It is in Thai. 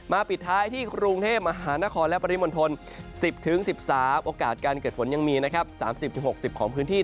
มาปิดท้ายที่กรุงเทพฯมหานครและปริมณฑล๑๐๑๓องศาเซียตโอกาสการเกิดฝนยังมี๓๐๖๐องศาเซียตของพื้นที่